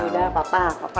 yaudah papa papa